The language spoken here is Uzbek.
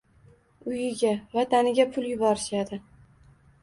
Uyiga, vataniga pul yuborishadi.